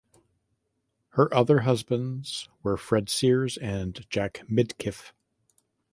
Her other husbands were Fred Sears and Jack Midkiff.